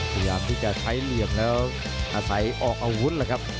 พยายามที่จะใช้เหลี่ยมแล้วอาศัยออกอาวุธแล้วครับ